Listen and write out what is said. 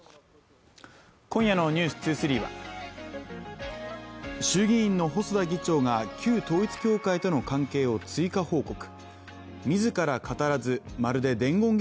今夜の「ｎｅｗｓ２３」は衆議院の細田議長が旧統一教会との関係を追加報告。